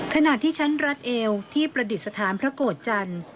ขณะที่ชั้นรัฐเอวที่ประดิษฐานพระโกรธจันทร์